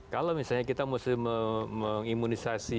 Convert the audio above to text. kalau misalnya kita mesti mengimunisasi